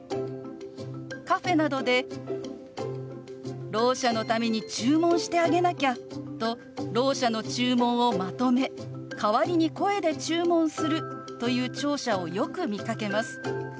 カフェなどでろう者のために注文してあげなきゃとろう者の注文をまとめ代わりに声で注文するという聴者をよく見かけます。